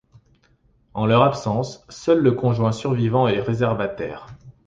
En leur absence, seul le conjoint survivant est réservataire.